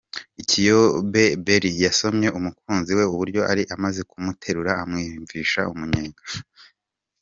Kiyobe Merry yasomye umukunzi we ubwo yari amaze kumuterura amwumvisha umunyenga.